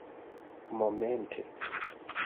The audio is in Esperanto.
momente